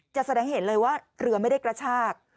แสดงเหตุเลยว่าเรือไม่ได้กระชาก